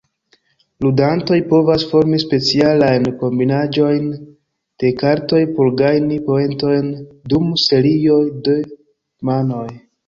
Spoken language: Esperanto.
Ludantoj provas formi specialajn kombinaĵojn de kartoj por gajni poentojn dum serioj de manoj.